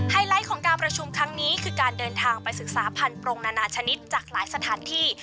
ไลท์ของการประชุมครั้งนี้คือการเดินทางไปศึกษาพันธรงนานาชนิดจากหลายสถานที่